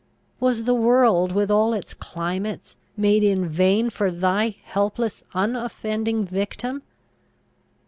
Was the world, with all its climates, made in vain for thy helpless unoffending victim?